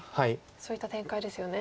そういった展開ですよね。